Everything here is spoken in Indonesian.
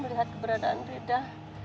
melihat keberadaan rida